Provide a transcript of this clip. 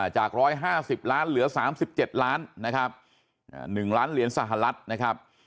จาก๑๕๐ล้านเหลือ๓๗ล้านนะครับ๑ล้านเหรียญสหรัฐนะครับ